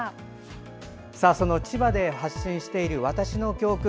その千葉で発信している「わたしの教訓」